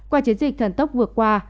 qua chiến dịch thần tốc vượt qua